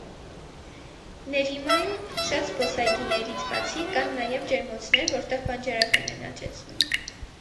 Ներիմայում շատ զբոսայգիներից բացի, կան նաև ջերմոցներ, որտեղ բանջարեղեն են աճեցնում։